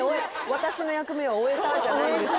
私の役目は終えたじゃないんですよ